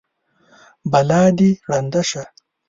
بلا دې ړنده شه!